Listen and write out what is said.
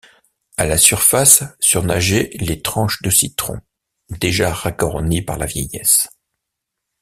À la surface, surnageaient les tranches de citron, déjà racornies par la vieillesse.